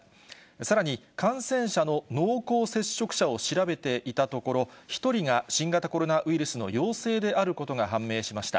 さらに、感染者の濃厚接触者を調べていたところ、１人が新型コロナウイルスの陽性であることが判明しました。